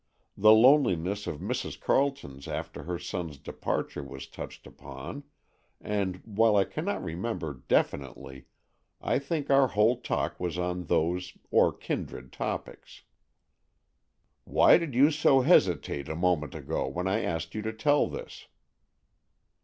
The loneliness of Mrs. Carleton after her son's departure was touched upon, and, while I cannot remember definitely, I think our whole talk was on those or kindred topics." "Why did you so hesitate a moment ago, when I asked you to tell this?"